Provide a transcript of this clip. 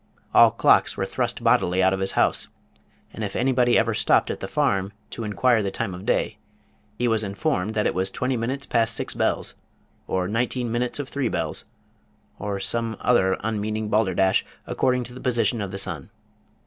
All clocks were thrust bodily out of his house, and if anybody ever stopped at the farm to inquire the time of day he was informed that it was "twenty minutes past six bells," or "nineteen minutes of three bells," or some other unmeaning balderdash according to the position of the sun.